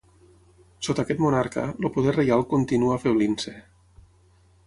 Sota aquest monarca, el poder reial continua afeblint-se.